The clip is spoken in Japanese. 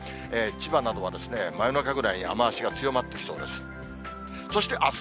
千葉などは真夜中ぐらいに雨足が強まってきそうです。